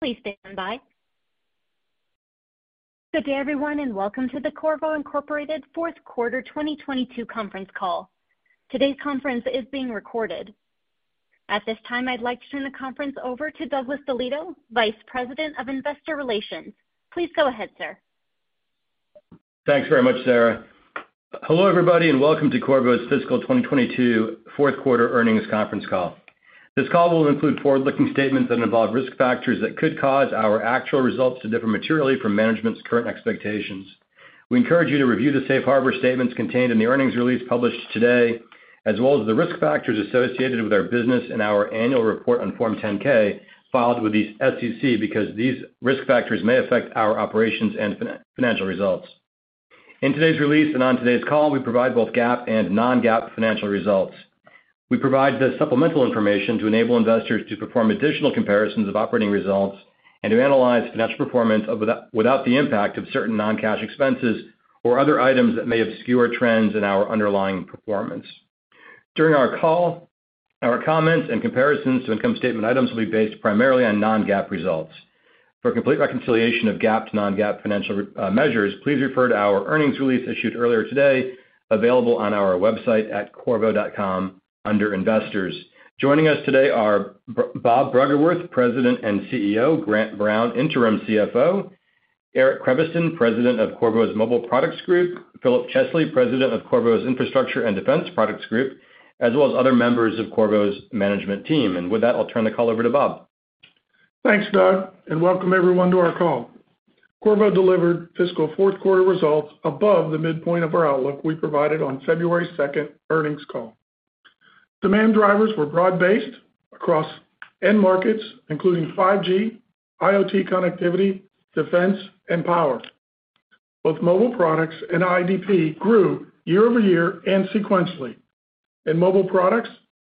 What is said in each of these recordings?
Please stand by. Good day, everyone, and welcome to the Qorvo, Inc. fourth quarter 2022 conference call. Today's conference is being recorded. At this time, I'd like to turn the conference over to Douglas DeLieto, Vice President of Investor Relations. Please go ahead, sir. Thanks very much, Sarah. Hello, everybody, and welcome to Qorvo's fiscal 2022 fourth quarter earnings conference call. This call will include forward-looking statements that involve risk factors that could cause our actual results to differ materially from management's current expectations. We encourage you to review the safe harbor statements contained in the earnings release published today, as well as the risk factors associated with our business in our annual report on Form 10-K filed with the SEC, because these risk factors may affect our operations and financial results. In today's release and on today's call, we provide both GAAP and non-GAAP financial results. We provide this supplemental information to enable investors to perform additional comparisons of operating results and to analyze financial performance without the impact of certain non-cash expenses or other items that may obscure trends in our underlying performance. During our call, our comments and comparisons to income statement items will be based primarily on non-GAAP results. For a complete reconciliation of GAAP to non-GAAP financial measures, please refer to our earnings release issued earlier today, available on our website at Qorvo.com under Investors. Joining us today are Bob Bruggeworth, President and CEO, Grant Brown, Interim CFO, Eric Creviston, President of Qorvo's Mobile Products Group, Philip Chesley, President of Qorvo's Infrastructure and Defense Products Group, as well as other members of Qorvo's management team. With that, I'll turn the call over to Bob. Thanks, Doug, and welcome everyone to our call. Qorvo delivered fiscal fourth quarter results above the midpoint of our outlook we provided on February second earnings call. Demand drivers were broad-based across end markets, including 5G, IoT connectivity, defense, and power. Both mobile products and IDP grew year-over-year and sequentially. In mobile products,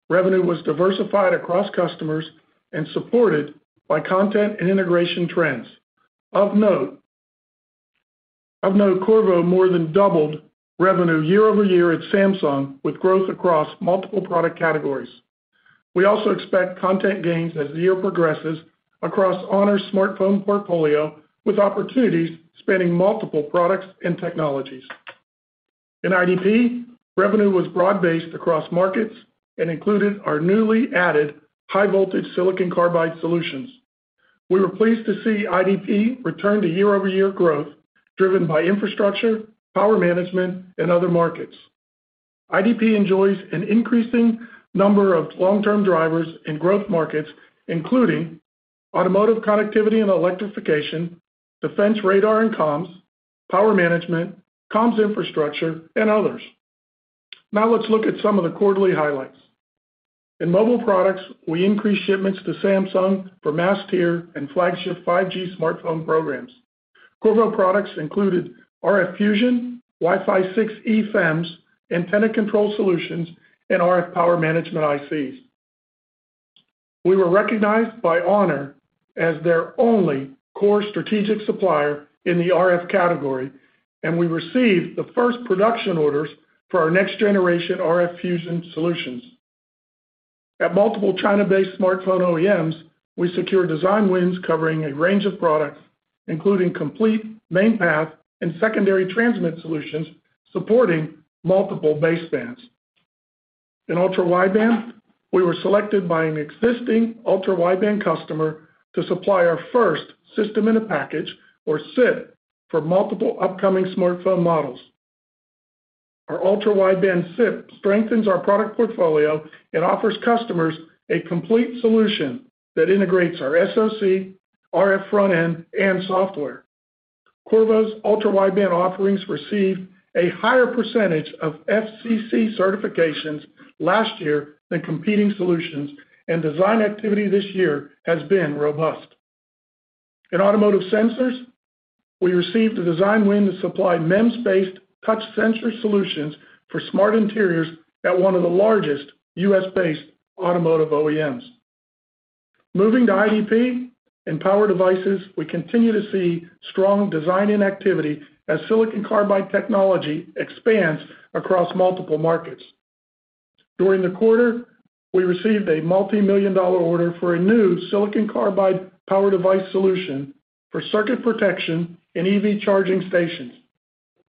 revenue was diversified across customers and supported by content and integration trends. Of note, Qorvo more than doubled revenue year-over-year at Samsung with growth across multiple product categories. We also expect content gains as the year progresses across Honor's smartphone portfolio with opportunities spanning multiple products and technologies. In IDP, revenue was broad-based across markets and included our newly added high voltage silicon carbide solutions. We were pleased to see IDP return to year-over-year growth driven by infrastructure, power management, and other markets. IDP enjoys an increasing number of long-term drivers in growth markets, including automotive connectivity and electrification, defense radar and comms, power management, comms infrastructure, and others. Now let's look at some of the quarterly highlights. In mobile products, we increased shipments to Samsung for mass tier and flagship 5G smartphone programs. Qorvo products included RF Fusion, Wi-Fi 6E FEMs, antenna control solutions, and RF power management ICs. We were recognized by Honor as their only core strategic supplier in the RF category, and we received the first production orders for our next generation RF Fusion solutions. At multiple China-based smartphone OEMs, we secured design wins covering a range of products, including complete main path and secondary transmit solutions supporting multiple basebands. In ultra-wideband, we were selected by an existing ultra-wideband customer to supply our first system in a package, or SIP, for multiple upcoming smartphone models. Our ultra-wideband SIP strengthens our product portfolio and offers customers a complete solution that integrates our SoC, RF front-end, and software. Qorvo's ultra-wideband offerings received a higher percentage of FCC certifications last year than competing solutions, and design activity this year has been robust. In automotive sensors, we received a design win to supply MEMS-based touch sensor solutions for smart interiors at one of the largest U.S.-based automotive OEMs. Moving to IDP and power devices, we continue to see strong design-in activity as silicon carbide technology expands across multiple markets. During the quarter, we received a multi-million-dollar order for a new silicon carbide power device solution for circuit protection in EV charging stations.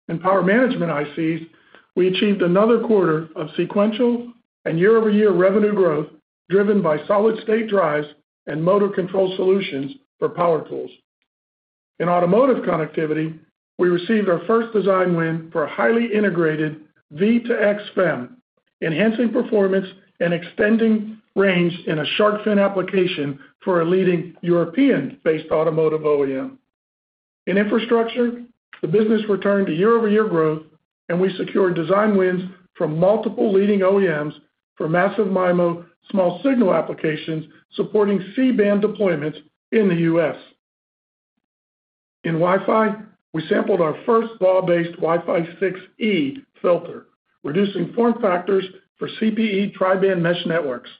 In power management ICs, we achieved another quarter of sequential and year-over-year revenue growth driven by solid-state drives and motor control solutions for power tools. In automotive connectivity, we received our first design win for a highly integrated V2X FEM, enhancing performance and extending range in a shark fin application for a leading European-based automotive OEM. In infrastructure, the business returned to year-over-year growth, and we secured design wins from multiple leading OEMs for Massive MIMO small signal applications supporting C-band deployments in the U.S. In Wi-Fi, we sampled our first wall-based Wi-Fi 6E filter, reducing form factors for CPE triband mesh networks.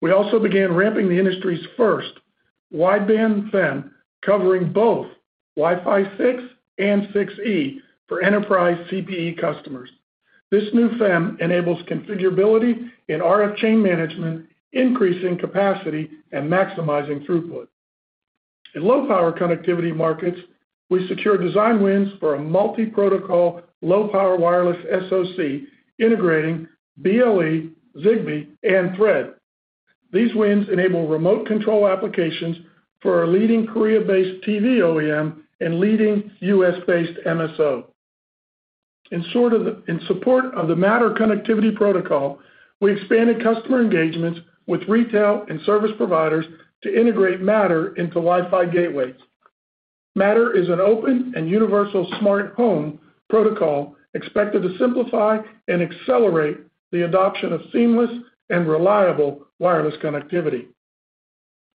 We also began ramping the industry's first wideband FEM covering both Wi-Fi 6 and 6E for enterprise CPE customers. This new FEM enables configurability in RF chain management, increasing capacity and maximizing throughput. In low-power connectivity markets, we secure design wins for a multi-protocol, low-power wireless SoC, integrating BLE, Zigbee, and Thread. These wins enable remote control applications for our leading Korea-based TV OEM and leading U.S.-based MSO. In support of the Matter connectivity protocol, we expanded customer engagements with retail and service providers to integrate Matter into Wi-Fi gateways. Matter is an open and universal smart home protocol expected to simplify and accelerate the adoption of seamless and reliable wireless connectivity.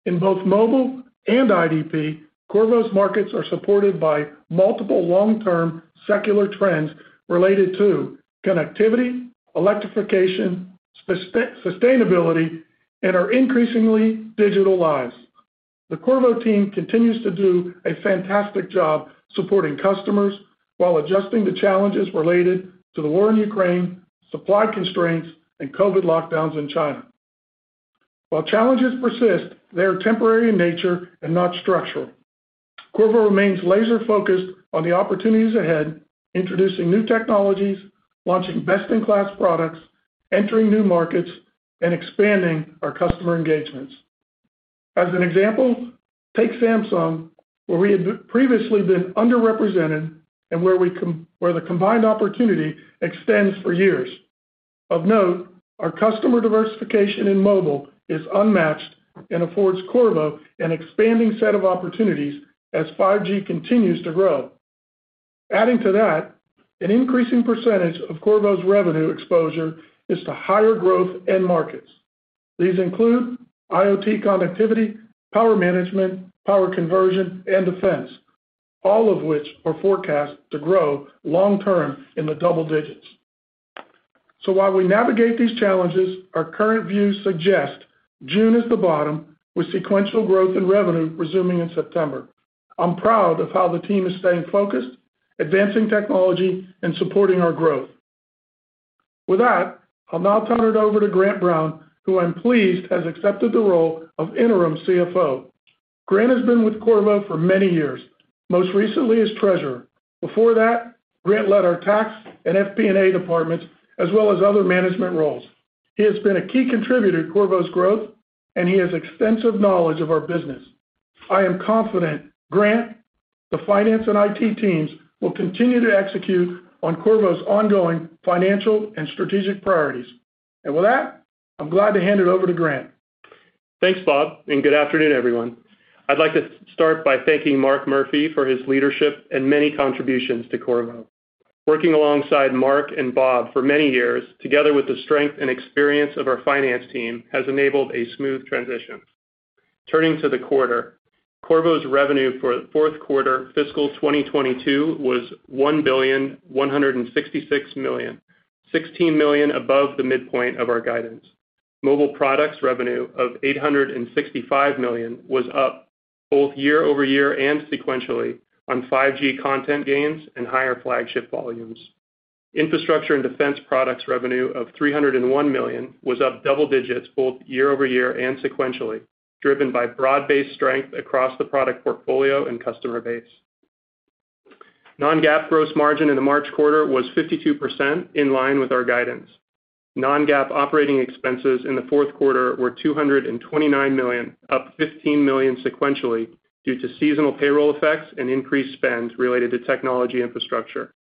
In both mobile and IDP, Qorvo's markets are supported by multiple long-term secular trends related to connectivity, electrification, sustainability, and our increasingly digital lives. The Qorvo team continues to do a fantastic job supporting customers while adjusting to challenges related to the war in Ukraine, supply constraints, and COVID lockdowns in China. While challenges persist, they are temporary in nature and not structural. Qorvo remains laser-focused on the opportunities ahead, introducing new technologies, launching best-in-class products, entering new markets, and expanding our customer engagements. As an example, take Samsung, where we had been previously underrepresented and where the combined opportunity extends for years. Of note, our customer diversification in mobile is unmatched and affords Qorvo an expanding set of opportunities as 5G continues to grow. Adding to that, an increasing percentage of Qorvo's revenue exposure is to higher growth end markets. These include IoT connectivity, power management, power conversion, and defense, all of which are forecast to grow long term in the double digits. While we navigate these challenges, our current views suggest June is the bottom, with sequential growth in revenue resuming in September. I'm proud of how the team is staying focused, advancing technology, and supporting our growth. With that, I'll now turn it over to Grant Brown, who I'm pleased has accepted the role of interim CFO. Grant has been with Qorvo for many years, most recently as treasurer. Before that, Grant led our tax and FP&A departments, as well as other management roles. He has been a key contributor to Qorvo's growth, and he has extensive knowledge of our business. I am confident Grant, the finance and IT teams will continue to execute on Qorvo's ongoing financial and strategic priorities. With that, I'm glad to hand it over to Grant. Thanks, Bob, and good afternoon, everyone. I'd like to start by thanking Mark Murphy for his leadership and many contributions to Qorvo. Working alongside Mark and Bob for many years, together with the strength and experience of our finance team, has enabled a smooth transition. Turning to the quarter, Qorvo's revenue for fourth quarter fiscal 2022 was $1.166 billion, $16 million above the midpoint of our guidance. Mobile Products revenue of $865 million was up both year-over-year and sequentially on 5G content gains and higher flagship volumes. Infrastructure and Defense Products revenue of $301 million was up double digits both year-over-year and sequentially, driven by broad-based strength across the product portfolio and customer base. Non-GAAP gross margin in the March quarter was 52%, in line with our guidance. Non-GAAP operating expenses in the fourth quarter were $229 million, up $15 million sequentially due to seasonal payroll effects and increased spend related to technology infrastructure.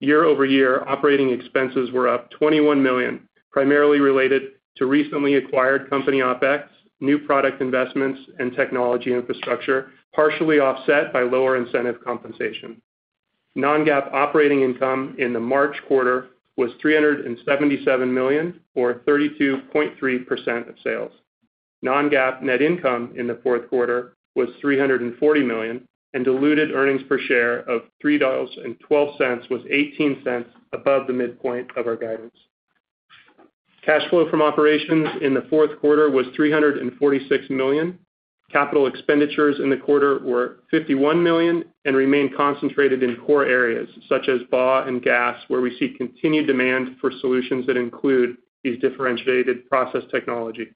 Year-over-year, operating expenses were up $21 million, primarily related to recently acquired company OpEx, new product investments, and technology infrastructure, partially offset by lower incentive compensation. Non-GAAP operating income in the March quarter was $377 million, or 32.3% of sales. Non-GAAP net income in the fourth quarter was $340 million, and diluted earnings per share of $3.12 was $0.18 above the midpoint of our guidance. Cash flow from operations in the fourth quarter was $346 million. Capital expenditures in the quarter were $51 million and remain concentrated in core areas such as BAW and GaAs, where we see continued demand for solutions that include these differentiated process technologies.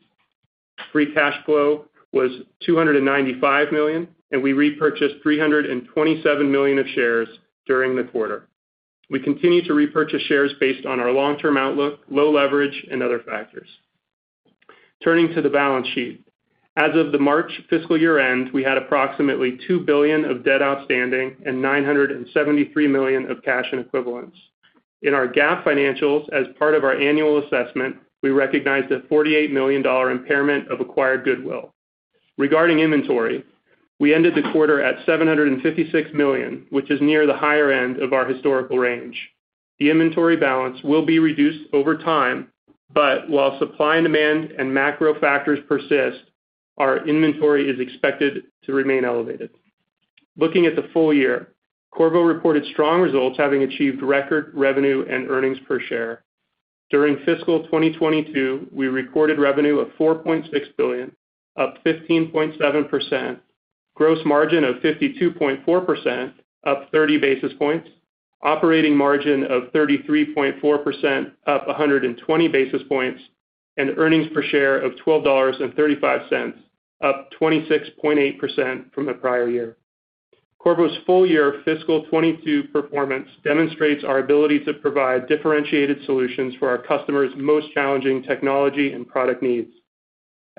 Free cash flow was $295 million, and we repurchased $327 million of shares during the quarter. We continue to repurchase shares based on our long-term outlook, low leverage, and other factors. Turning to the balance sheet. As of the March fiscal year-end, we had approximately $2 billion of debt outstanding and $973 million of cash and equivalents. In our GAAP financials, as part of our annual assessment, we recognized a $48 million dollar impairment of acquired goodwill. Regarding inventory, we ended the quarter at $756 million, which is near the higher end of our historical range. The inventory balance will be reduced over time, but while supply and demand and macro factors persist, our inventory is expected to remain elevated. Looking at the full year, Qorvo reported strong results, having achieved record revenue and earnings per share. During fiscal 2022, we recorded revenue of $4.6 billion, up 15.7%. Gross margin of 52.4%, up 30 basis points. Operating margin of 33.4%, up 120 basis points, and earnings per share of $12.35, up 26.8% from the prior year. Qorvo's full year fiscal 2022 performance demonstrates our ability to provide differentiated solutions for our customers' most challenging technology and product needs.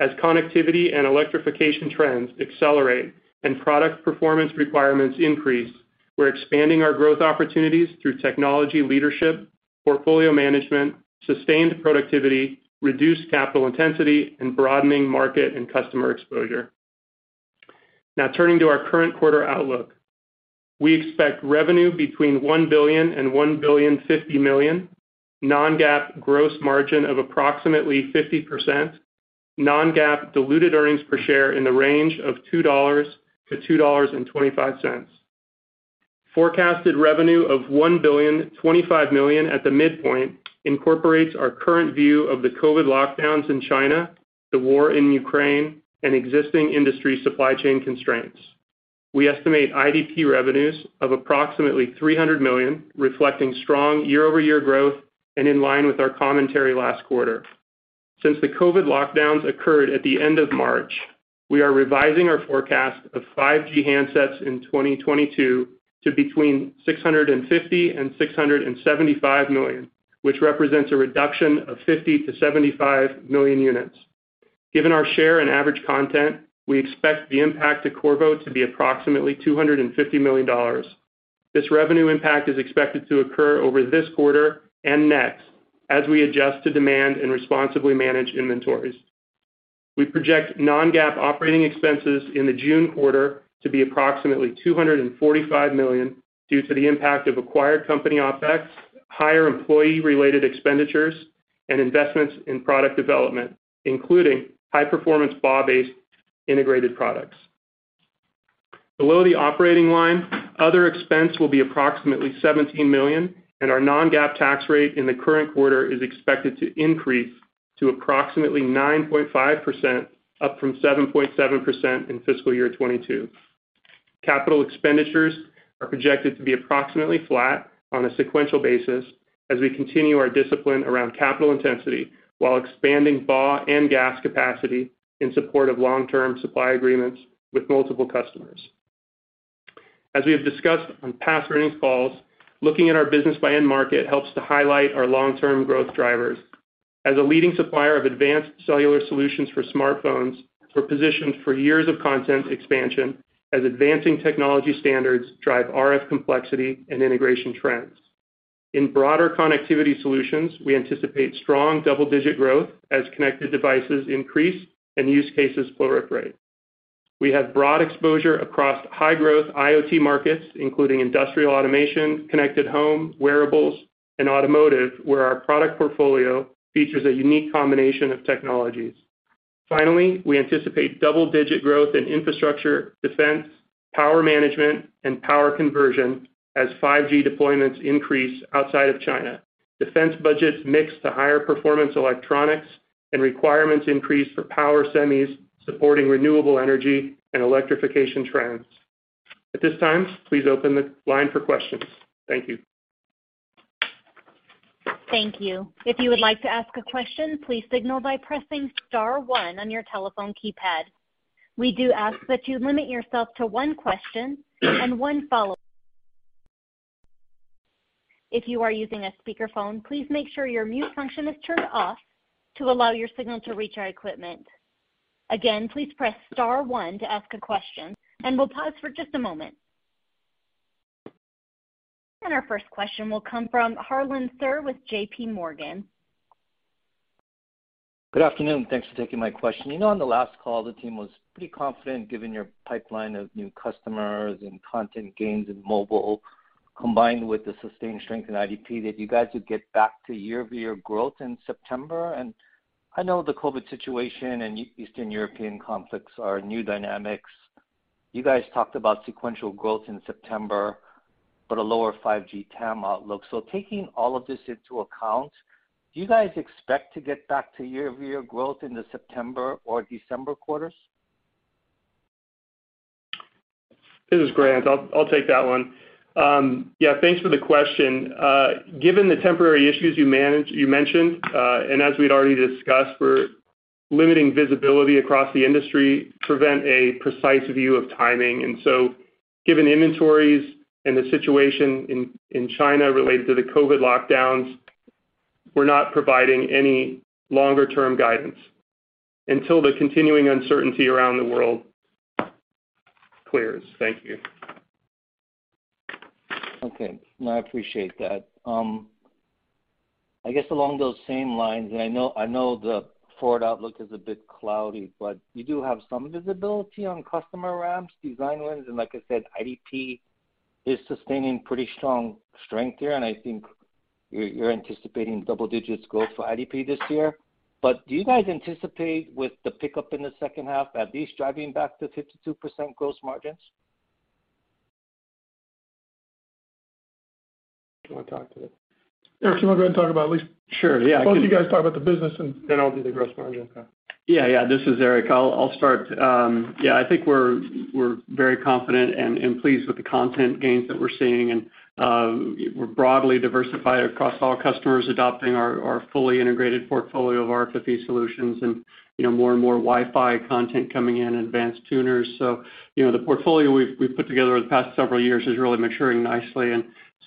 As connectivity and electrification trends accelerate and product performance requirements increase, we're expanding our growth opportunities through technology leadership, portfolio management, sustained productivity, reduced capital intensity, and broadening market and customer exposure. Now turning to our current quarter outlook. We expect revenue between $1 billion and $1.05 billion, non-GAAP gross margin of approximately 50%, non-GAAP diluted earnings per share in the range of $2-$2.25. Forecasted revenue of $1.025 billion at the midpoint incorporates our current view of the COVID lockdowns in China, the war in Ukraine, and existing industry supply chain constraints. We estimate IDP revenues of approximately $300 million, reflecting strong year-over-year growth and in line with our commentary last quarter. Since the COVID lockdowns occurred at the end of March, we are revising our forecast of 5G handsets in 2022 to between 650 million and 675 million, which represents a reduction of 50 million-75 million units. Given our share and average content, we expect the impact to Qorvo to be approximately $250 million. This revenue impact is expected to occur over this quarter and next as we adjust to demand and responsibly manage inventories. We project non-GAAP operating expenses in the June quarter to be approximately $245 million due to the impact of acquired company OpEx, higher employee-related expenditures, and investments in product development, including high-performance BAW-based integrated products. Below the operating line, other expense will be approximately $17 million, and our non-GAAP tax rate in the current quarter is expected to increase to approximately 9.5%, up from 7.7% in fiscal year 2022. Capital expenditures are projected to be approximately flat on a sequential basis as we continue our discipline around capital intensity, while expanding BAW and GaAs capacity in support of long-term supply agreements with multiple customers. As we have discussed on past earnings calls, looking at our business by end market helps to highlight our long-term growth drivers. As a leading supplier of advanced cellular solutions for smartphones, we're positioned for years of content expansion as advancing technology standards drive RF complexity and integration trends. In broader connectivity solutions, we anticipate strong double-digit growth as connected devices increase and use cases proliferate. We have broad exposure across high-growth IoT markets, including industrial automation, connected home, wearables, and automotive, where our product portfolio features a unique combination of technologies. Finally, we anticipate double-digit growth in infrastructure, defense, power management, and power conversion as 5G deployments increase outside of China. Defense budgets mix to higher performance electronics and requirements increase for power semis supporting renewable energy and electrification trends. At this time, please open the line for questions. Thank you. Thank you. If you would like to ask a question, please signal by pressing star one on your telephone keypad. We do ask that you limit yourself to one question and one follow. If you are using a speakerphone, please make sure your mute function is turned off to allow your signal to reach our equipment. Again, please press star one to ask a question, and we'll pause for just a moment. Our first question will come from Harlan Sur with JPMorgan. Good afternoon. Thanks for taking my question. You know, on the last call, the team was pretty confident, given your pipeline of new customers and content gains in mobile, combined with the sustained strength in IDP, that you guys would get back to year-over-year growth in September. I know the COVID situation and Eastern European conflicts are new dynamics. You guys talked about sequential growth in September, but a lower 5G TAM outlook. Taking all of this into account, do you guys expect to get back to year-over-year growth in the September or December quarters? This is Grant. I'll take that one. Yeah, thanks for the question. Given the temporary issues you mentioned, and as we'd already discussed, we're limiting visibility across the industry, prevent a precise view of timing. Given inventories and the situation in China related to the COVID lockdowns, we're not providing any longer-term guidance until the continuing uncertainty around the world clears. Thank you. Okay. No, I appreciate that. I guess along those same lines, and I know the forward outlook is a bit cloudy, but you do have some visibility on customer ramps, design wins, and like I said, IDP is sustaining pretty strong strength here, and I think you're anticipating double-digit growth for IDP this year. Do you guys anticipate with the pickup in the second half, at least driving back to 52% gross margins? Do you wanna talk to this? Eric, you wanna go ahead and talk about at least. Sure, yeah. Both you guys talk about the business, and then I'll do the gross margin. Yeah. This is Eric. I'll start. Yeah, I think we're very confident and pleased with the content gains that we're seeing, and we're broadly diversified across all customers adopting our fully integrated portfolio of RFFE solutions and, you know, more and more Wi-Fi content coming in, advanced tuners. You know, the portfolio we've put together over the past several years is really maturing nicely.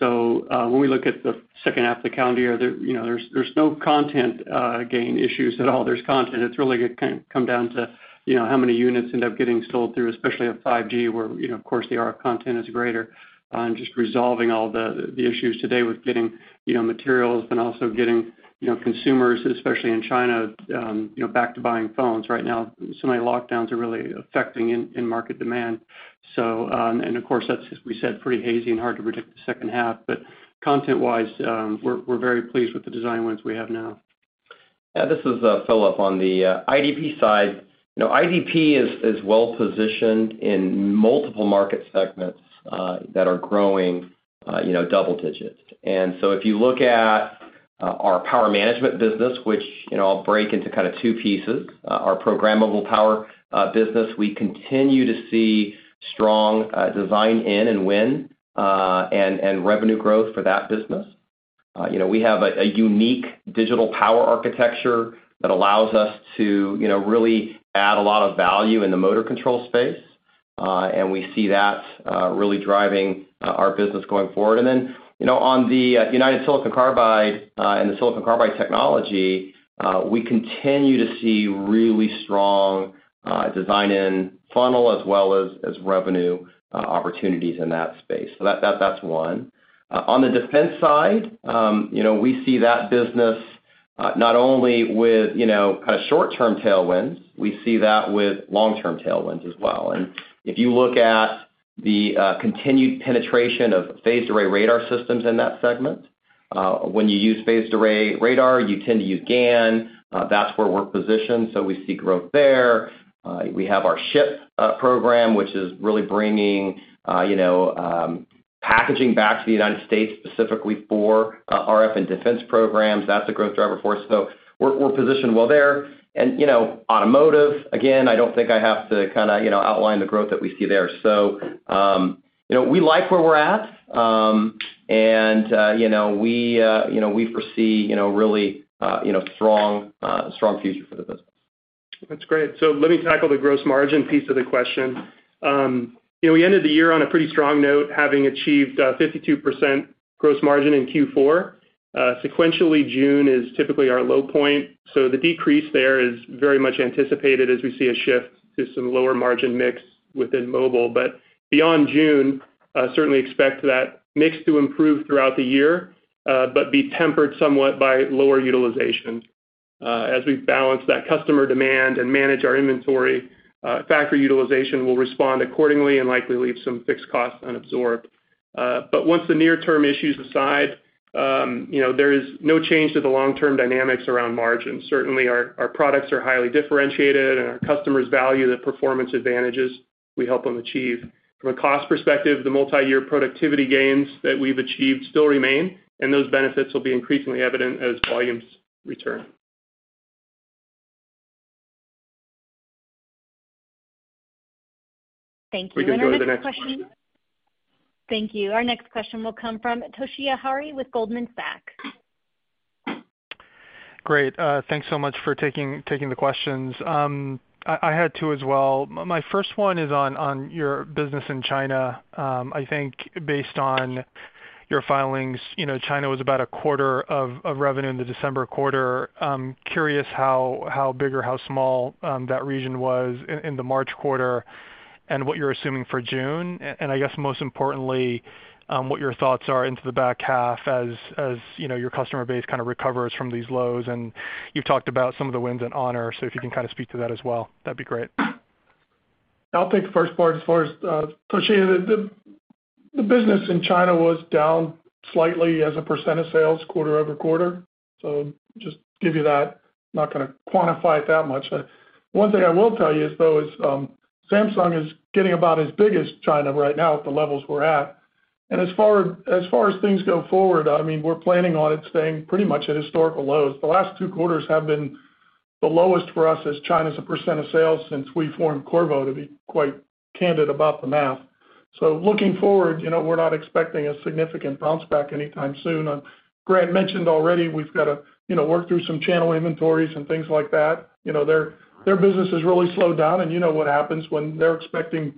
When we look at the second half of the calendar year, you know, there's no content gain issues at all. There's content. It's really gonna come down to, you know, how many units end up getting sold through, especially of 5G, where, you know, of course, the RF content is greater, and just resolving all the issues today with getting, you know, materials and also getting, you know, consumers, especially in China, you know, back to buying phones. Right now, some of the lockdowns are really affecting end market demand. Of course, that's, as we said, pretty hazy and hard to predict the second half. Content-wise, we're very pleased with the design wins we have now. Yeah. This is Philip. On the IDP side, you know, IDP is well positioned in multiple market segments that are growing, you know, double digits. If you look at our power management business, which, you know, I'll break into kind of two pieces, our programmable power business, we continue to see strong design in and win and revenue growth for that business. You know, we have a unique digital power architecture that allows us to, you know, really add a lot of value in the motor control space, and we see that really driving our business going forward. Then, you know, on the United Silicon Carbide and the silicon carbide technology, we continue to see really strong design-in funnel as well as revenue opportunities in that space. That's one. On the defense side, you know, we see that business not only with you know kind of short-term tailwinds, we see that with long-term tailwinds as well. If you look at the continued penetration of phased array radar systems in that segment, when you use phased array radar, you tend to use GaN. That's where we're positioned, so we see growth there. We have our SHIP program, which is really bringing you know packaging back to the United States specifically for RF and defense programs. That's a growth driver for us. We're positioned well there. You know, automotive, again, I don't think I have to kinda you know, outline the growth that we see there. You know, we like where we're at, and you know, we foresee you know, really strong future for the business. That's great. Let me tackle the gross margin piece of the question. You know, we ended the year on a pretty strong note, having achieved 52% gross margin in Q4. Sequentially, June is typically our low point, so the decrease there is very much anticipated as we see a shift to some lower margin mix within mobile. Beyond June, certainly expect that mix to improve throughout the year, but be tempered somewhat by lower utilization. As we balance that customer demand and manage our inventory, factory utilization will respond accordingly and likely leave some fixed costs unabsorbed. Once the near-term issue's aside, you know, there is no change to the long-term dynamics around margin. Certainly our products are highly differentiated, and our customers value the performance advantages we help them achieve. From a cost perspective, the multiyear productivity gains that we've achieved still remain, and those benefits will be increasingly evident as volumes return. Thank you. We can go to the next question. Thank you. Our next question will come from Toshiya Hari with Goldman Sachs. Great. Thanks so much for taking the questions. I had two as well. My first one is on your business in China. I think based on your filings, you know, China was about a quarter of revenue in the December quarter. I'm curious how big or how small that region was in the March quarter and what you're assuming for June. I guess most importantly, what your thoughts are into the back half as you know, your customer base kind of recovers from these lows. You've talked about some of the wins in Honor, so if you can kind of speak to that as well, that'd be great. I'll take the first part as far as Toshiya. The business in China was down slightly as a percent of sales quarter-over-quarter. Just to give you that, I'm not gonna quantify it that much. One thing I will tell you is, though, Samsung is getting about as big as China right now at the levels we're at. As far as things go forward, I mean, we're planning on it staying pretty much at historical lows. The last two quarters have been the lowest for us as China as a percentage of sales since we formed Qorvo, to be quite candid about the math. Looking forward, you know, we're not expecting a significant bounce back anytime soon. Grant mentioned already we've got to, you know, work through some channel inventories and things like that. You know, their business has really slowed down, and you know what happens when they're expecting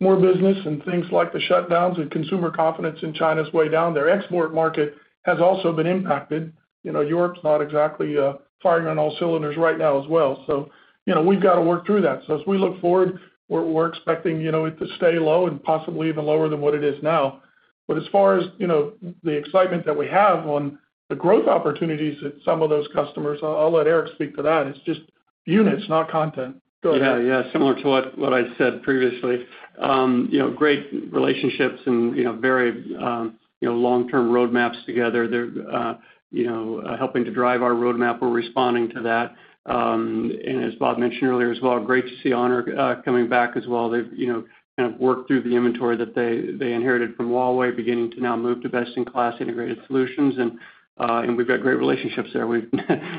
more business and things like the shutdowns and consumer confidence in China is way down. Their export market has also been impacted. You know, Europe's not exactly firing on all cylinders right now as well. You know, we've got to work through that. As we look forward, we're expecting, you know, it to stay low and possibly even lower than what it is now. As far as, you know, the excitement that we have on the growth opportunities at some of those customers, I'll let Eric speak to that. It's just Units, not content. Go ahead. Yeah. Similar to what I said previously. You know, great relationships and, you know, very, you know, long-term roadmaps together. They're, you know, helping to drive our roadmap. We're responding to that. As Bob mentioned earlier as well, great to see Honor coming back as well. They've, you know, kind of worked through the inventory that they inherited from Huawei, beginning to now move to best-in-class integrated solutions. We've got great relationships there. We've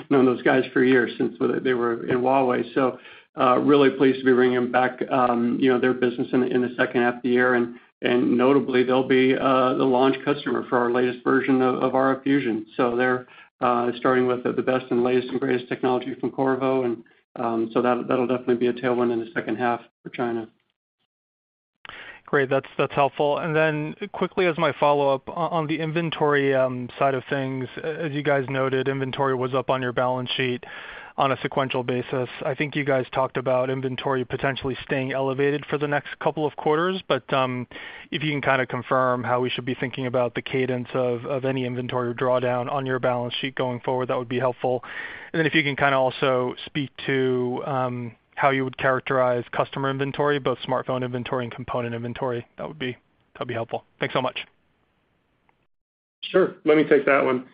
known those guys for years since they were in Huawei. Really pleased to be bringing back, you know, their business in the, in the second half of the year. Notably, they'll be the launch customer for our latest version of RF Fusion. They're starting with the best and latest and greatest technology from Qorvo. That'll definitely be a tailwind in the second half for China. Great. That's helpful. Quickly as my follow-up, on the inventory side of things, as you guys noted, inventory was up on your balance sheet on a sequential basis. I think you guys talked about inventory potentially staying elevated for the next couple of quarters. If you can kind of confirm how we should be thinking about the cadence of any inventory drawdown on your balance sheet going forward, that would be helpful. If you can kind of also speak to how you would characterize customer inventory, both smartphone inventory and component inventory, that would be helpful. Thanks so much. Sure. Let me take that one.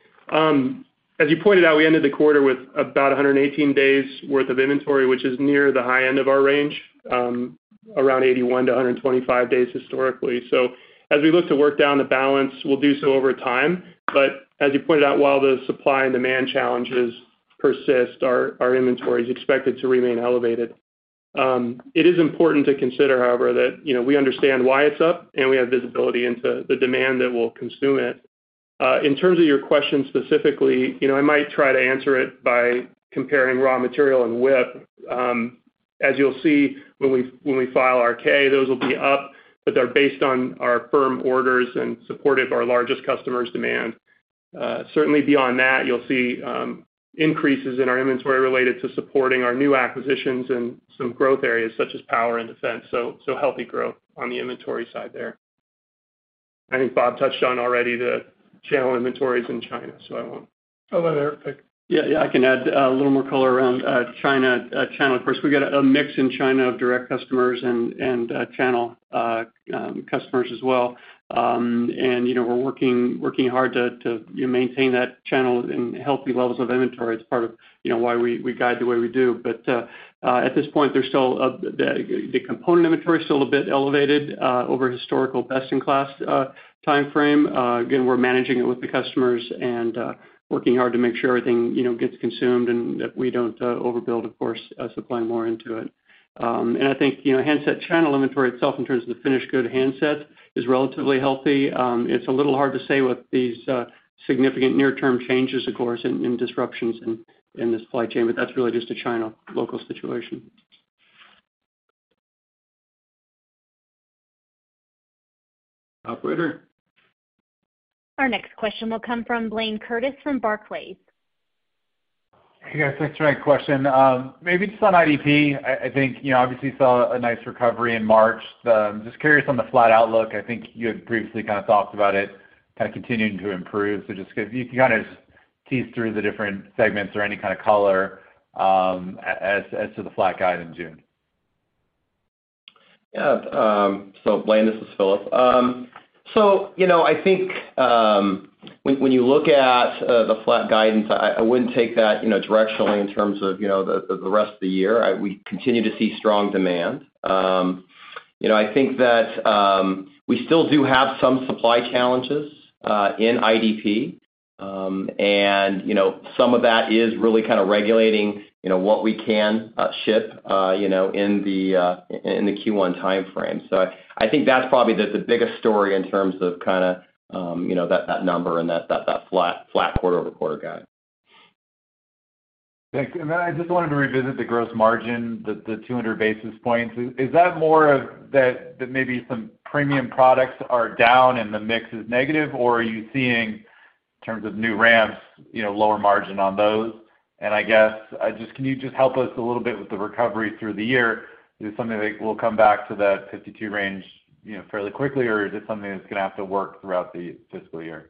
As you pointed out, we ended the quarter with about 118 days' worth of inventory, which is near the high end of our range, around 81 to 125 days historically. As we look to work down the balance, we'll do so over time. As you pointed out, while the supply and demand challenges persist, our inventory is expected to remain elevated. It is important to consider, however, that, you know, we understand why it's up and we have visibility into the demand that will consume it. In terms of your question specifically, you know, I might try to answer it by comparing raw material and WIP. As you'll see when we file our 10-K, those will be up, but they're based on our firm orders and supportive of our largest customers' demand. Certainly beyond that, you'll see increases in our inventory related to supporting our new acquisitions and some growth areas such as power and defense. Healthy growth on the inventory side there. I think Bob touched on already the channel inventories in China, so I won't. Oh, go ahead, Eric. Yeah, I can add a little more color around China channel. Of course, we got a mix in China of direct customers and channel customers as well. You know, we're working hard to maintain that channel and healthy levels of inventory. It's part of you know why we guide the way we do. At this point, there's still the component inventory is still a bit elevated over historical best-in-class timeframe. Again, we're managing it with the customers and working hard to make sure everything you know gets consumed and that we don't overbuild, of course, supply more into it. I think you know handset channel inventory itself in terms of the finished good handset is relatively healthy. It's a little hard to say with these significant near-term changes, of course, and disruptions in the supply chain, but that's really just a China local situation. Operator? Our next question will come from Blayne Curtis from Barclays. Hey, guys. Thanks for taking my question. Maybe just on IDP, I think you know, obviously saw a nice recovery in March. Just curious on the flat outlook, I think you had previously kind of talked about it kind of continuing to improve. Just if you can kind of tease through the different segments or any kind of color as to the flat guide in June. Yeah. Blayne, this is Philip. You know, I think when you look at the flat guidance, I wouldn't take that directionally in terms of the rest of the year. We continue to see strong demand. You know, I think that we still do have some supply challenges in IDP. You know, some of that is really kind of regulating what we can ship in the Q1 timeframe. I think that's probably the biggest story in terms of that number and that flat quarter-over-quarter guide. Thanks. I just wanted to revisit the gross margin, the 200 basis points. Is that more of that maybe some premium products are down and the mix is negative, or are you seeing in terms of new ramps, you know, lower margin on those? I guess, can you just help us a little bit with the recovery through the year? Is this something that will come back to that 52 range, you know, fairly quickly, or is it something that's gonna have to work throughout the fiscal year?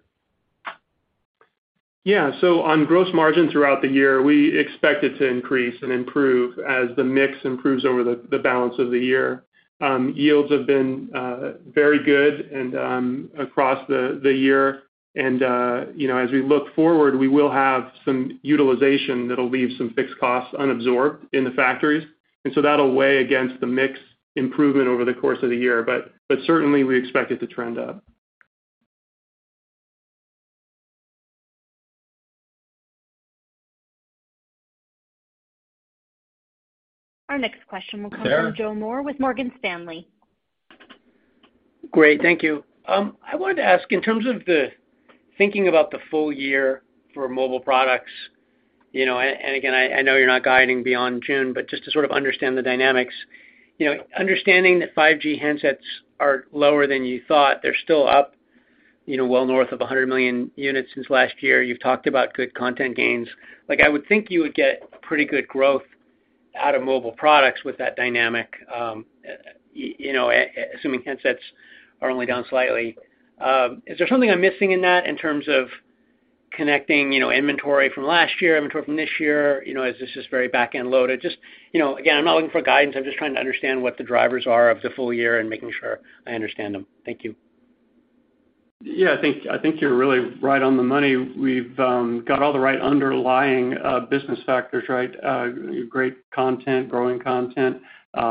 On gross margin throughout the year, we expect it to increase and improve as the mix improves over the balance of the year. Yields have been very good and across the year. You know, as we look forward, we will have some utilization that'll leave some fixed costs unabsorbed in the factories. That'll weigh against the mix improvement over the course of the year. Certainly we expect it to trend up. Our next question will come from Joseph Moore with Morgan Stanley. Great. Thank you. I wanted to ask, in terms of the thinking about the full year for mobile products, you know, and again, I know you're not guiding beyond June, but just to sort of understand the dynamics. You know, understanding that 5G handsets are lower than you thought, they're still up, you know, well north of 100 million units since last year. You've talked about good content gains. Like, I would think you would get pretty good growth out of mobile products with that dynamic, you know, assuming handsets are only down slightly. Is there something I'm missing in that in terms of Connecting, you know, inventory from last year, inventory from this year, you know, as this is very back-end loaded. Just, you know, again, I'm not looking for guidance, I'm just trying to understand what the drivers are of the full year and making sure I understand them. Thank you. Yeah, I think you're really right on the money. We've got all the right underlying business factors, right? Great content, growing content. You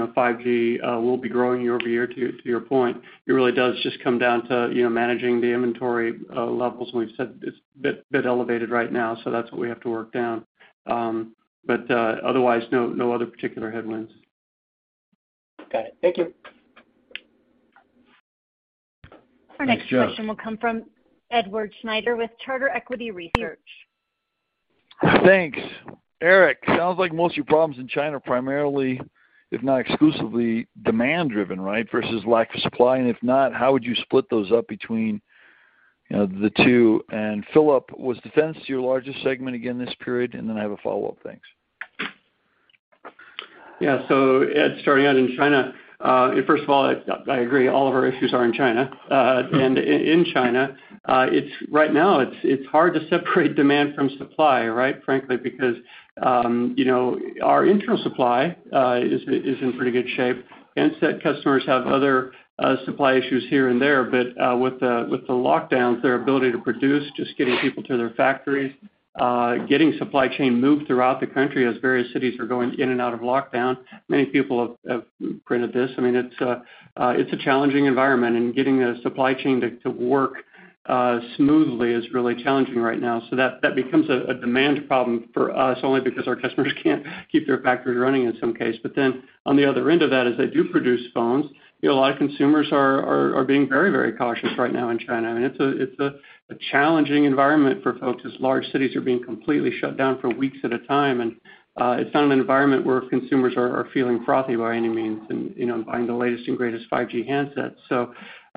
know, 5G will be growing year-over-year, to your point. It really does just come down to, you know, managing the inventory levels, and we've said it's a bit elevated right now, so that's what we have to work down. Otherwise, no other particular headwinds. Got it. Thank you. Our next question will come from Edward Snyder with Charter Equity Research. Thanks. Eric, sounds like most of your problems in China are primarily, if not exclusively, demand driven, right? Versus lack of supply. If not, how would you split those up between, you know, the two? Philip, was Defense your largest segment again this period? I have a follow-up. Thanks. Ed, starting out in China, first of all, I agree, all of our issues are in China. In China, it's right now hard to separate demand from supply, right, frankly, because you know, our internal supply is in pretty good shape. End customers have other supply issues here and there, but with the lockdowns, their ability to produce, just getting people to their factories, getting supply chain moved throughout the country as various cities are going in and out of lockdown. Many people have predicted this. I mean, it's a challenging environment and getting a supply chain to work smoothly is really challenging right now. That becomes a demand problem for us only because our customers can't keep their factories running in some case. On the other end of that, as they do produce phones, you know, a lot of consumers are being very, very cautious right now in China. I mean, it's a challenging environment for folks as large cities are being completely shut down for weeks at a time. It's not an environment where consumers are feeling frothy by any means and, you know, buying the latest and greatest 5G handsets.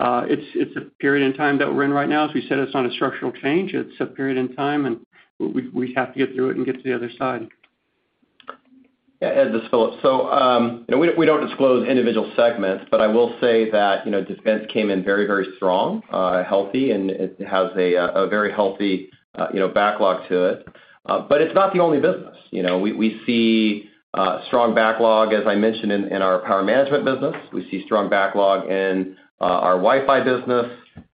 It's a period in time that we're in right now. As we said, it's not a structural change, it's a period in time, and we have to get through it and get to the other side. Yeah, Ed, this is Philip. You know, we don't disclose individual segments, but I will say that, you know, defense came in very, very strong, healthy, and it has a very healthy, you know, backlog to it. But it's not the only business. You know, we see strong backlog, as I mentioned in our power management business. We see strong backlog in our Wi-Fi business,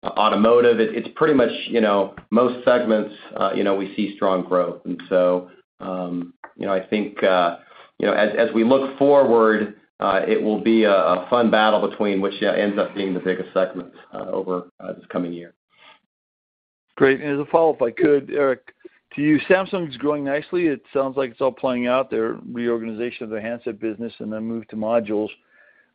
automotive. It's pretty much, you know, most segments, you know, we see strong growth. You know, I think, you know, as we look forward, it will be a fun battle between which yeah ends up being the biggest segment over this coming year. Great. As a follow-up, if I could, Eric, to you. Samsung's growing nicely. It sounds like it's all playing out, their reorganization of their handset business and then move to modules.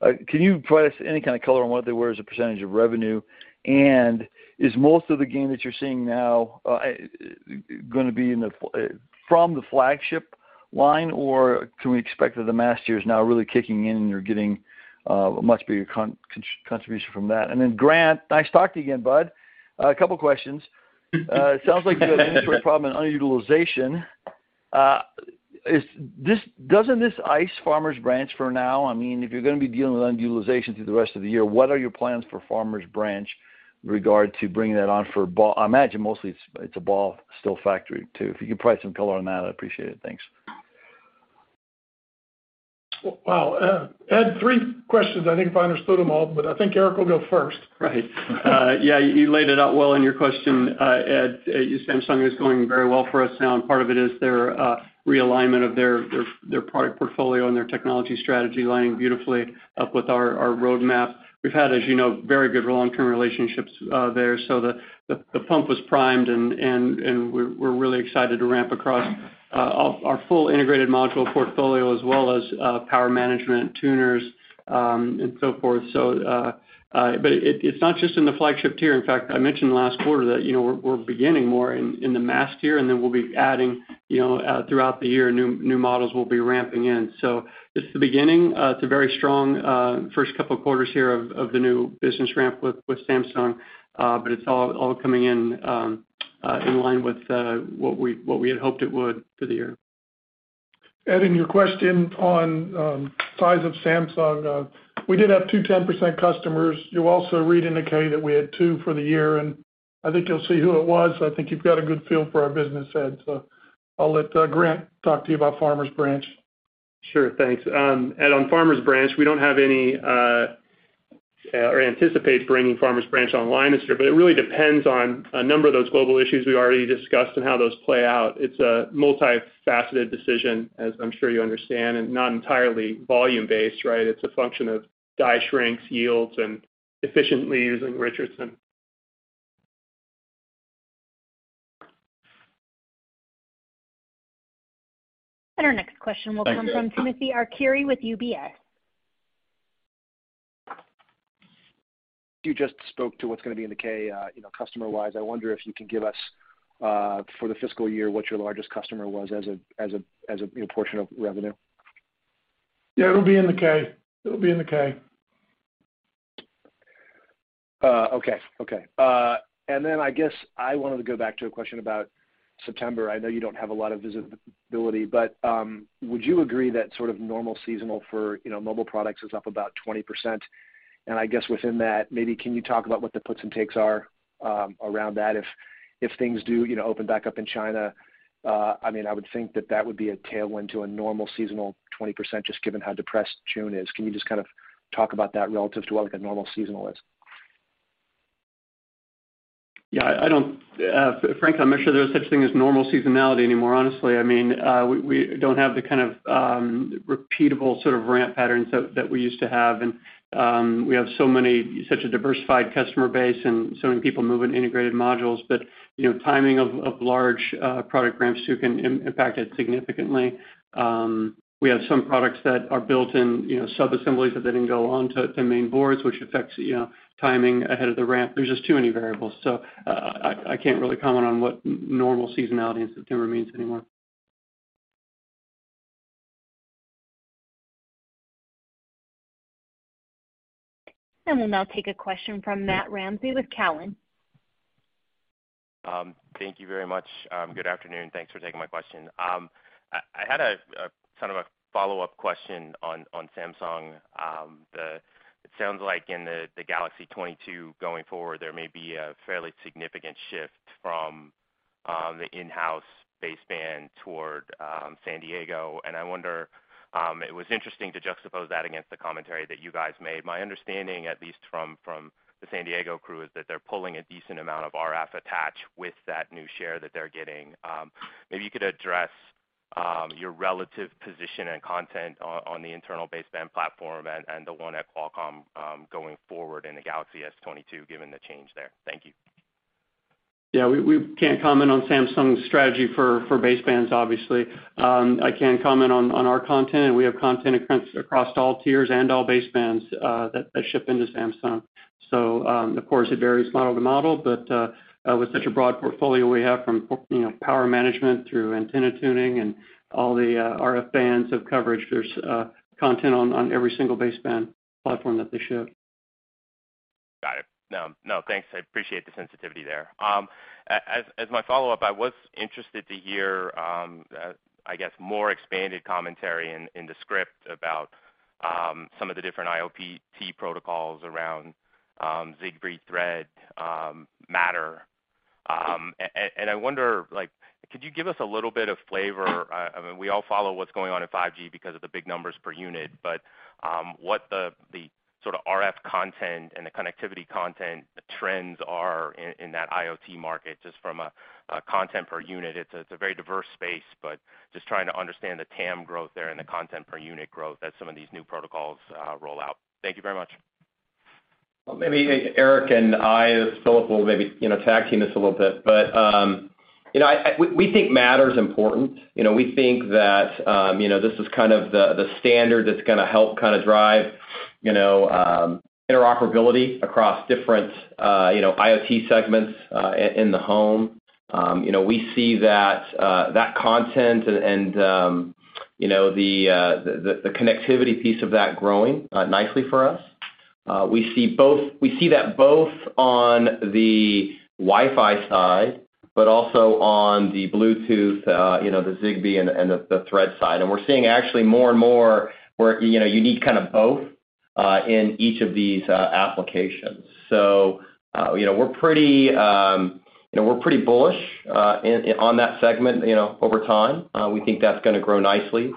Can you provide us any kind of color on what they were as a percentage of revenue? Is most of the gain that you're seeing now gonna be from the flagship line, or can we expect that the mass tier is now really kicking in and you're getting a much bigger contribution from that? Then Grant Brown, nice talking to you again, bud. A couple of questions. It sounds like you have an inventory problem and underutilization. Doesn't this affect Farmers Branch for now? I mean, if you're gonna be dealing with underutilization through the rest of the year, what are your plans for Farmers Branch in regard to bringing that on? I imagine mostly it's a BAW filter factory, too. If you could provide some color on that, I'd appreciate it. Thanks. Well, Ed, three questions. I think I understood them all, but I think Eric will go first. Right. Yeah, you laid it out well in your question, Ed. Samsung is going very well for us now, and part of it is their realignment of their product portfolio and their technology strategy lining beautifully up with our roadmap. We've had, as you know, very good long-term relationships there. The pump was primed and we're really excited to ramp across our full integrated module portfolio, as well as power management, tuners, and so forth. But it's not just in the flagship tier. In fact, I mentioned last quarter that, you know, we're beginning more in the mass tier, and then we'll be adding, you know, throughout the year, new models will be ramping in. It's the beginning. It's a very strong first couple of quarters here of the new business ramp with Samsung. It's all coming in line with what we had hoped it would for the year. Ed, in your question on size of Samsung, we did have two 10% customers. You also read in the 10-K that we had two for the year, and I think you'll see who it was. I think you've got a good feel for our business, Ed. I'll let Grant talk to you about Farmers Branch. Sure, thanks. Ed, on Farmers Branch, we don't have any, or anticipate bringing Farmers Branch online this year, but it really depends on a number of those global issues we already discussed and how those play out. It's a multifaceted decision, as I'm sure you understand, and not entirely volume-based, right? It's a function of die shrinks, yields, and efficiently using Richardson. Our next question will come from Timothy Arcuri with UBS. You just spoke to what's gonna be in the K, you know, customer wise. I wonder if you can give us, for the fiscal year, what your largest customer was as a, you know, portion of revenue. Yeah, it'll be in the K. It'll be in the K. Okay. I guess I wanted to go back to a question about. September, I know you don't have a lot of visibility, but would you agree that sort of normal seasonal for, you know, Mobile Products is up about 20%? I guess within that, maybe can you talk about what the puts and takes are around that if things do, you know, open back up in China? I mean, I would think that that would be a tailwind to a normal seasonal 20% just given how depressed June is. Can you just kind of talk about that relative to what like a normal seasonal is? Yeah, I don't. Frankly, I'm not sure there's such a thing as normal seasonality anymore, honestly. I mean, we don't have the kind of repeatable sort of ramp patterns that we used to have. We have such a diversified customer base and so many people moving integrated modules, but you know, timing of large product ramps too can impact it significantly. We have some products that are built in, you know, sub-assemblies that didn't go on to main boards, which affects, you know, timing ahead of the ramp. There's just too many variables. I can't really comment on what normal seasonality in September means anymore. We'll now take a question from Matt Ramsay with Cowen. Thank you very much. Good afternoon, thanks for taking my question. I had a kind of a follow-up question on Samsung. It sounds like in the Galaxy S22 going forward, there may be a fairly significant shift from the in-house baseband toward San Diego. I wonder. It was interesting to juxtapose that against the commentary that you guys made. My understanding, at least from the San Diego crew, is that they're pulling a decent amount of RF attach with that new share that they're getting. Maybe you could address your relative position and content on the internal baseband platform and the one at Qualcomm, going forward in the Galaxy S22 given the change there. Thank you. Yeah, we can't comment on Samsung's strategy for basebands, obviously. I can comment on our content, and we have content across all tiers and all basebands that ship into Samsung. Of course, it varies model to model, but with such a broad portfolio we have from, you know, power management through antenna tuning and all the RF bands of coverage, there's content on every single baseband platform that they ship. Got it. No, no, thanks. I appreciate the sensitivity there. As my follow-up, I was interested to hear, I guess, more expanded commentary in the script about some of the different IoT protocols around Zigbee, Thread, Matter. And I wonder, like, could you give us a little bit of flavor? I mean, we all follow what's going on in 5G because of the big numbers per unit, but what the sort of RF content and the connectivity content trends are in that IoT market, just from a content per unit. It's a very diverse space, but just trying to understand the TAM growth there and the content per unit growth as some of these new protocols roll out. Thank you very much. Well, maybe Eric and Phil will, you know, tag team this a little bit. We think Matter's important. You know, we think that this is kind of the standard that's gonna help kind of drive interoperability across different IoT segments in the home. You know, we see that content and the connectivity piece of that growing nicely for us. We see that both on the Wi-Fi side, but also on the Bluetooth, you know, the Zigbee and the Thread side. We're seeing actually more and more where, you know, you need kind of both in each of these applications. You know, we're pretty bullish on that segment, you know, over time. We think that's gonna grow nicely.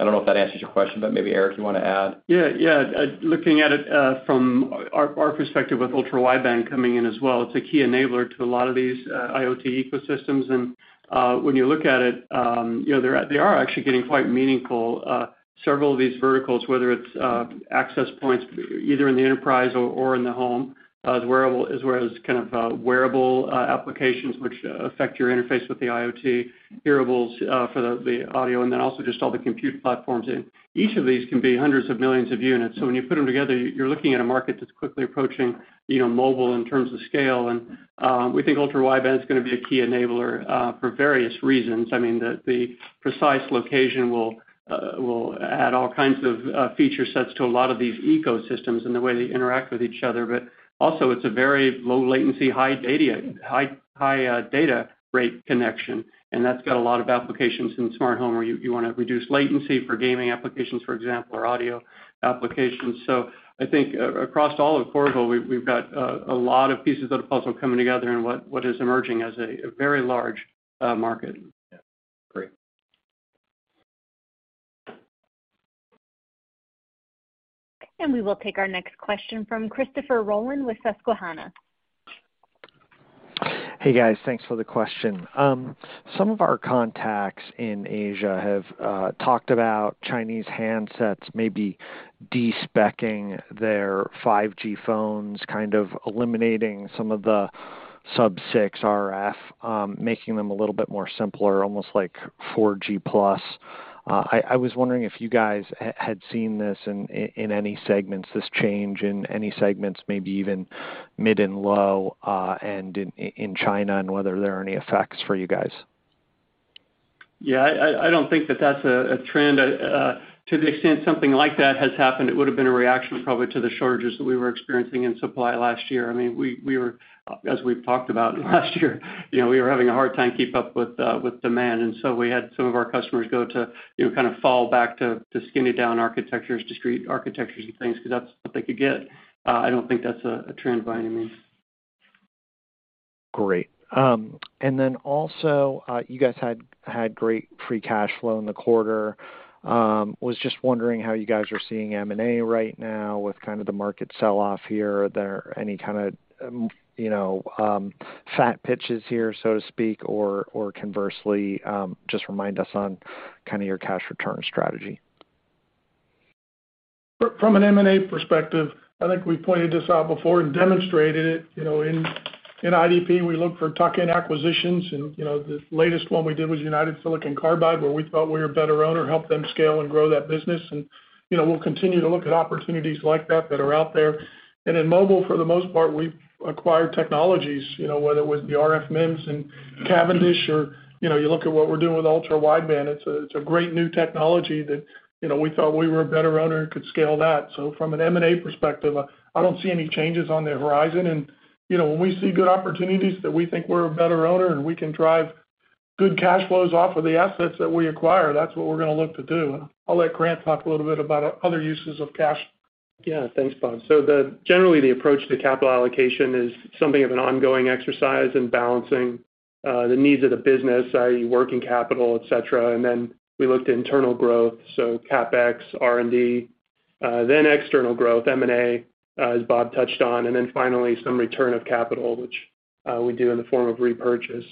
I don't know if that answers your question, but maybe Eric, you wanna add? Yeah. Yeah. Looking at it from our perspective with ultra-wideband coming in as well, it's a key enabler to a lot of these IoT ecosystems. When you look at it, you know, they are actually getting quite meaningful. Several of these verticals, whether it's access points either in the enterprise or in the home, the wearable as well as wearable applications which affect your interface with the IoT, hearables for the audio, and then also just all the compute platforms in. Each of these can be hundreds of millions of units. When you put them together, you're looking at a market that's quickly approaching, you know, mobile in terms of scale. We think ultra-wideband's gonna be a key enabler for various reasons. I mean, the precise location will add all kinds of feature sets to a lot of these ecosystems and the way they interact with each other. It's a very low latency, high data rate connection, and that's got a lot of applications in smart home where you wanna reduce latency for gaming applications, for example, or audio applications. I think across all of Qorvo, we've got a lot of pieces of the puzzle coming together and what is emerging as a very large market. Yeah. Great. We will take our next question from Christopher Rolland with Susquehanna. Hey, guys. Thanks for the question. Some of our contacts in Asia have talked about Chinese handsets maybe de-specing their 5G phones, kind of eliminating some of the sub-6 RF, making them a little bit more simpler, almost like 4G plus. I was wondering if you guys had seen this in any segments, this change in any segments, maybe even mid and low, and in China, and whether there are any effects for you guys. Yeah, I don't think that's a trend. To the extent something like that has happened, it would have been a reaction probably to the shortages that we were experiencing in supply last year. I mean, we were, as we've talked about last year, you know, we were having a hard time keeping up with demand. We had some of our customers go to, you know, kind of fall back to skinnied-down architectures, discrete architectures and things because that's what they could get. I don't think that's a trend by any means. Great. You guys had great free cash flow in the quarter. I was just wondering how you guys are seeing M&A right now with kind of the market sell-off here. Are there any kind of, you know, fat pitches here, so to speak, or conversely, just remind us on kind of your cash return strategy. From an M&A perspective, I think we pointed this out before and demonstrated it, you know, in IDP, we look for tuck-in acquisitions and, you know, the latest one we did was United Silicon Carbide, where we thought we were a better owner, help them scale and grow that business. You know, we'll continue to look at opportunities like that that are out there. In mobile, for the most part, we acquire technologies, you know, whether it was the RF MEMS and Cavendish, or, you know, you look at what we're doing with ultra-wideband. It's a great new technology that, you know, we thought we were a better owner and could scale that. From an M&A perspective, I don't see any changes on the horizon. You know, when we see good opportunities that we think we're a better owner, and we can drive good cash flows off of the assets that we acquire, that's what we're gonna look to do. I'll let Grant talk a little bit about other uses of cash. Yeah. Thanks, Bob. Generally, the approach to capital allocation is something of an ongoing exercise in balancing the needs of the business, i.e., working capital, et cetera. We look to internal growth, so CapEx, R&D, then external growth, M&A, as Bob touched on, and then finally some return of capital, which we do in the form of repurchase.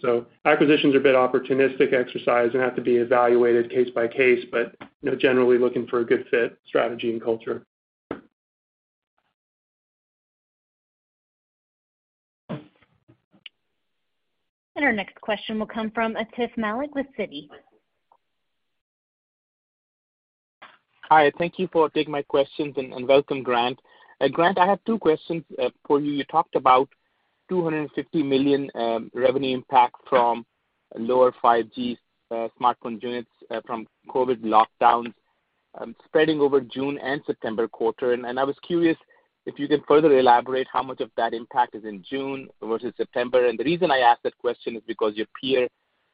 Acquisitions are a bit opportunistic exercise and have to be evaluated case by case, but you know, generally looking for a good fit strategy and culture. Our next question will come from Atif Malik with Citi. Hi, thank you for taking my questions, and welcome, Grant. Grant, I have two questions for you. You talked about $250 million revenue impact from lower 5G smartphone units from COVID lockdowns spreading over June and September quarter. I was curious if you could further elaborate how much of that impact is in June versus September. The reason I ask that question is because your peer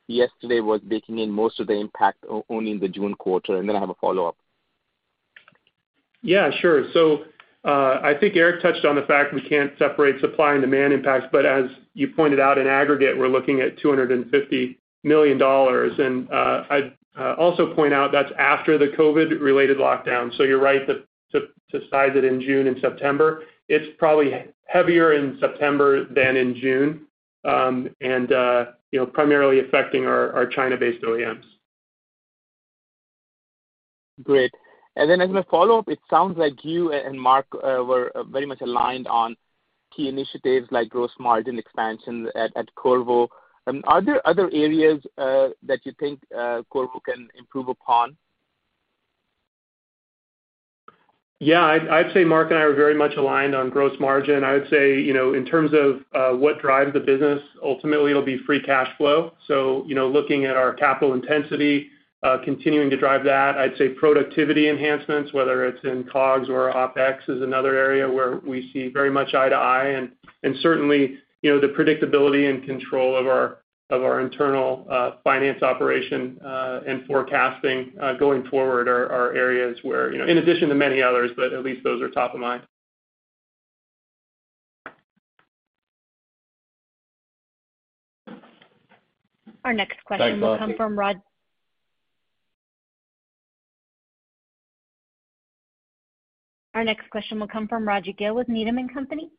yesterday was baking in most of the impact only in the June quarter, and then I have a follow-up. Yeah, sure. I think Eric touched on the fact we can't separate supply and demand impacts, but as you pointed out in aggregate, we're looking at $250 million. I'd also point out that's after the COVID-related lockdown. You're right to size it in June and September. It's probably heavier in September than in June, and you know, primarily affecting our China-based OEMs. Great. As my follow-up, it sounds like you and Mark were very much aligned on key initiatives like gross margin expansion at Qorvo. Are there other areas that you think Qorvo can improve upon? Yeah. I'd say Mark and I are very much aligned on gross margin. I would say, you know, in terms of what drives the business, ultimately it'll be free cash flow. You know, looking at our capital intensity, continuing to drive that. I'd say productivity enhancements, whether it's in COGS or OpEx is another area where we see very much eye to eye. Certainly, you know, the predictability and control of our internal finance operation and forecasting going forward are areas where, you know, in addition to many others, but at least those are top of mind. Our next question will come from Raj. Thanks, Grant. Our next question will come from Raj Gill with Needham & Company.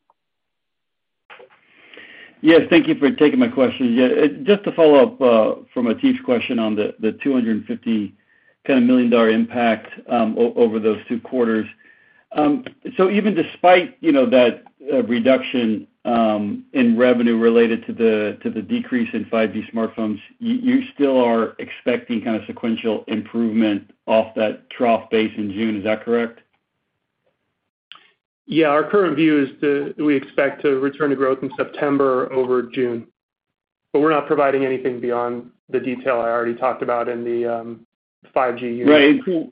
Yes, thank you for taking my question. Yeah, just to follow up from Atif's question on the $250 million impact over those two quarters. Even despite, you know, that reduction in revenue related to the decrease in 5G smartphones, you still are expecting kind of sequential improvement off that trough base in June. Is that correct? Yeah. Our current view is we expect to return to growth in September over June. We're not providing anything beyond the detail I already talked about in the 5G unit.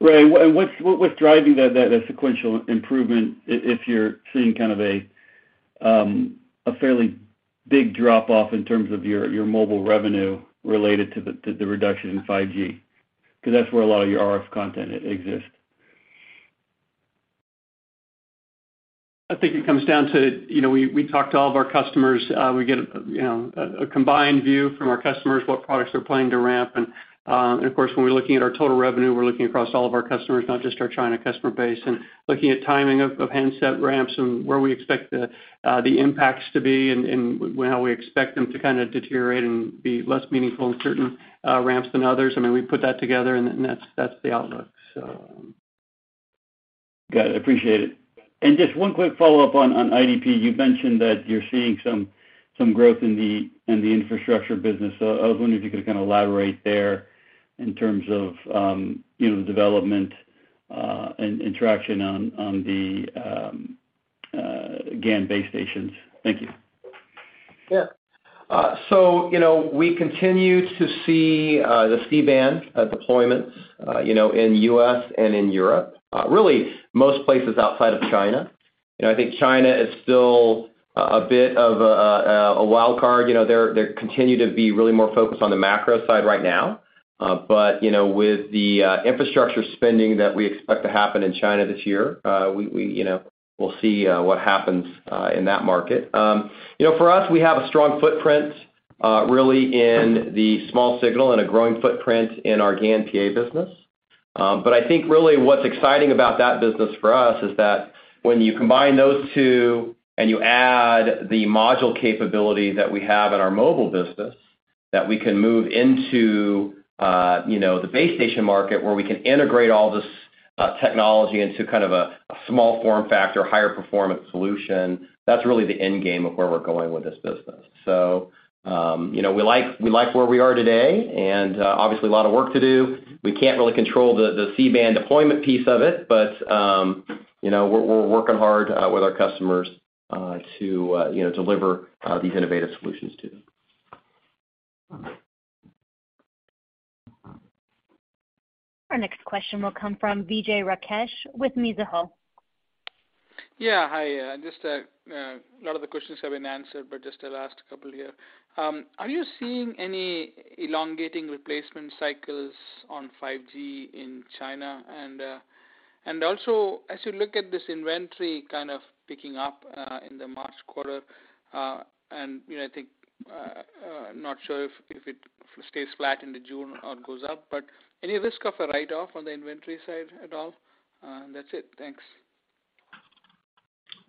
What's driving that sequential improvement if you're seeing kind of a fairly big drop off in terms of your mobile revenue related to the reduction in 5G? Because that's where a lot of your RF content exists. I think it comes down to we talk to all of our customers. We get a combined view from our customers, what products they're planning to ramp. Of course, when we're looking at our total revenue, we're looking across all of our customers, not just our China customer base. Looking at timing of handset ramps and where we expect the impacts to be and how we expect them to kind of deteriorate and be less meaningful in certain ramps than others. I mean, we put that together, and that's the outlook. Got it. Appreciate it. Just one quick follow-up on IDP. You mentioned that you're seeing some growth in the infrastructure business. I was wondering if you could kind of elaborate there in terms of you know the development and traction on the Again, base stations. Thank you. Yeah. You know, we continue to see the C-band deployments you know in U.S. and in Europe really most places outside of China. You know, I think China is still a bit of a wild card. You know, they continue to be really more focused on the macro side right now. You know, with the infrastructure spending that we expect to happen in China this year, we'll see what happens in that market. You know, for us, we have a strong footprint really in the small signal and a growing footprint in our GaN PA business. I think really what's exciting about that business for us is that when you combine those two and you add the module capability that we have in our mobile business, that we can move into, you know, the base station market where we can integrate all this technology into kind of a small form factor, higher performance solution. That's really the end game of where we're going with this business. So, you know, we like where we are today, and obviously a lot of work to do. We can't really control the C-band deployment piece of it, but you know, we're working hard with our customers to you know, deliver these innovative solutions to them. Our next question will come from Vijay Rakesh with Mizuho. Yeah. Hi. Just a lot of the questions have been answered, but just the last couple here. Are you seeing any elongating replacement cycles on 5G in China? Also as you look at this inventory kind of picking up in the March quarter, and you know, I think not sure if it stays flat in the June or it goes up, but any risk of a write-off on the inventory side at all? That's it. Thanks.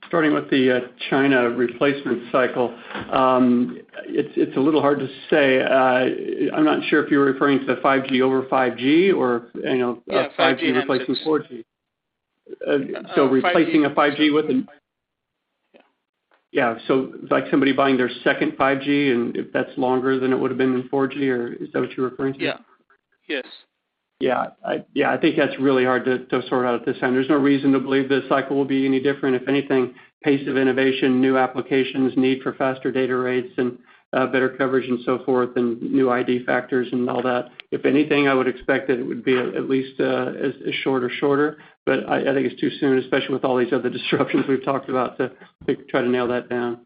Starting with the China replacement cycle. It's a little hard to say. I'm not sure if you're referring to the 5G over 5G or, you know, 5G replacing 4G. Yeah, 5G and 4G. Replacing a 5G with an... Yeah. Yeah. Like somebody buying their second 5G, and if that's longer than it would've been in 4G or is that what you're referring to? Yeah. Yes. Yeah, I think that's really hard to sort out at this time. There's no reason to believe the cycle will be any different. If anything, pace of innovation, new applications, need for faster data rates and better coverage and so forth and new form factors and all that. If anything, I would expect that it would be at least as short or shorter. But I think it's too soon, especially with all these other disruptions we've talked about, to try to nail that down.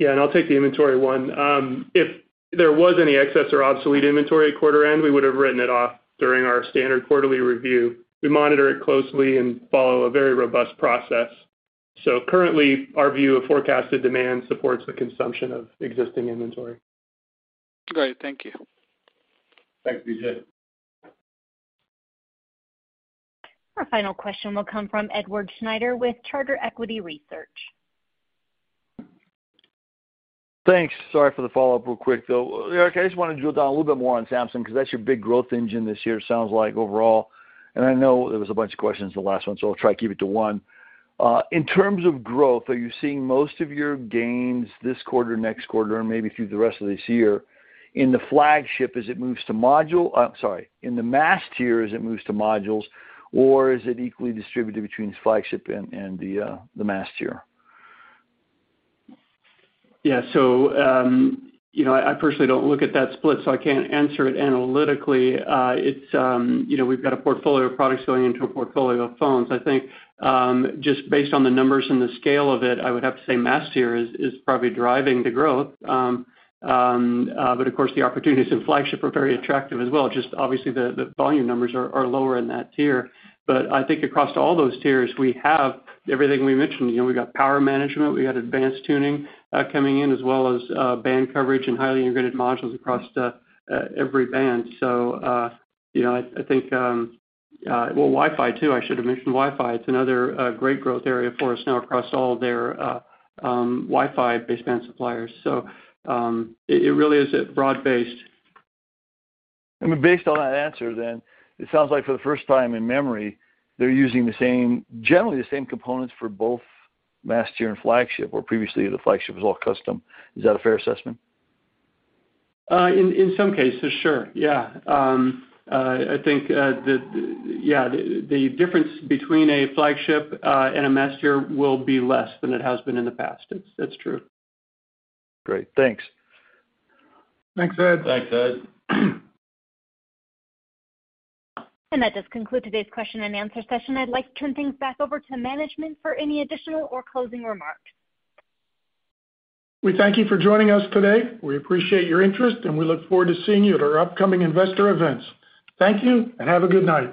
Yeah. I'll take the inventory one. If there was any excess or obsolete inventory at quarter end, we would've written it off during our standard quarterly review. We monitor it closely and follow a very robust process. Currently our view of forecasted demand supports the consumption of existing inventory. Great. Thank you. Thanks, Vijay. Our final question will come from Edward Snyder with Charter Equity Research. Thanks. Sorry for the follow-up real quick though. Eric, I just wanna drill down a little bit more on Samsung 'cause that's your big growth engine this year, sounds like overall, and I know there was a bunch of questions the last one, so I'll try to keep it to one. In terms of growth, are you seeing most of your gains this quarter, next quarter, and maybe through the rest of this year in the mass tier as it moves to modules, or is it equally distributed between the flagship and the mass tier? Yeah. You know, I personally don't look at that split, so I can't answer it analytically. It's you know, we've got a portfolio of products going into a portfolio of phones. I think just based on the numbers and the scale of it, I would have to say mass tier is probably driving the growth. But of course the opportunities in flagship are very attractive as well. Just obviously the volume numbers are lower in that tier. But I think across all those tiers, we have everything we mentioned. You know, we got power management, we got advanced tuning coming in, as well as band coverage and highly integrated modules across the every band. You know, I think. Well, Wi-Fi too, I should have mentioned Wi-Fi. It's another great growth area for us now across all their Wi-Fi baseband suppliers. It really is a broad-based. I mean, based on that answer then, it sounds like for the first time in memory, they're using the same, generally the same components for both mass tier and flagship, where previously the flagship was all custom. Is that a fair assessment? In some cases, sure. Yeah. I think the difference between a flagship and a mass tier will be less than it has been in the past. That's true. Great. Thanks. Thanks, Ed. Thanks, Ed. That does conclude today's question and answer session. I'd like to turn things back over to management for any additional or closing remarks. We thank you for joining us today. We appreciate your interest, and we look forward to seeing you at our upcoming investor events. Thank you, and have a good night.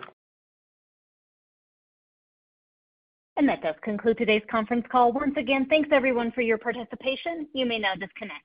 That does conclude today's conference call. Once again, thanks everyone for your participation. You may now disconnect.